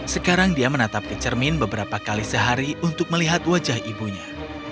sekarang dia menatap ke cermin beberapa kali sehari untuk melihat wajah ibunya